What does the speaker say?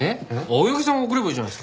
青柳さんが送ればいいじゃないですか。